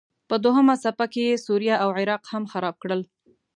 په دوهمه څپه کې یې سوریه او عراق هم خراب کړل.